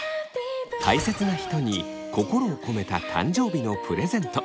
大切な人に心を込めた誕生日のプレゼント。